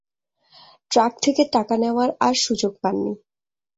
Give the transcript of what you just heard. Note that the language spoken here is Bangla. ট্রাক থেকে টাকা নেওয়ার আর সুযোগ পাননি।